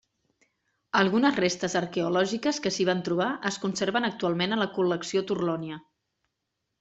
Algunes restes arqueològiques que s'hi van trobar es conserven actualment a la col·lecció Torlonia.